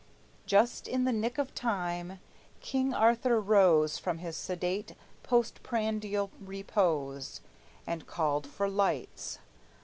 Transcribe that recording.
Just in the nick of time, King Arthur rose From his sedate post prandial repose, And called for lights.